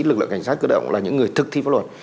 lực lượng cảnh sát cơ động là những người thực thi pháp luật